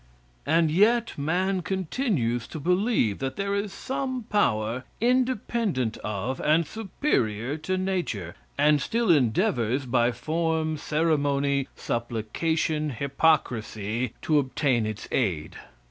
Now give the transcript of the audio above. And yet man continues to believe that there is some power independent of and superior to nature, and still endeavors, by form, ceremony, supplication, hypocrisy, to obtain its aid.